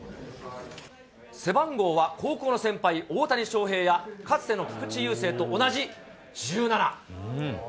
背番号は、高校の先輩、大谷翔平や、かつての菊池雄星と同じ１７。